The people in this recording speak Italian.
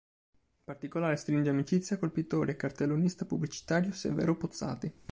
In particolare stringe amicizia col pittore e cartellonista pubblicitario Severo Pozzati.